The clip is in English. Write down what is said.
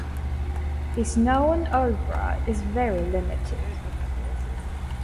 His known oeuvre is very limited.